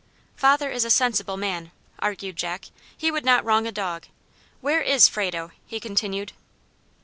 "Father is a sensible man," argued Jack. "He would not wrong a dog. Where IS Frado?" he continued.